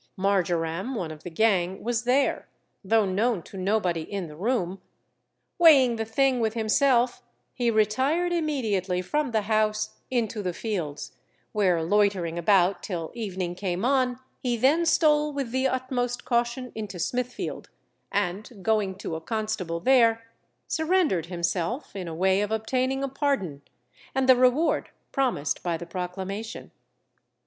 Marjoram, one of the gang, was there, though known to nobody in the room; weighing the thing with himself, he retired immediately from the house into the fields, where loitering about till evening came on, he then stole with the utmost caution into Smithfield, and going to a constable there, surrendered himself in a way of obtaining a pardon, and the reward promised by the proclamation.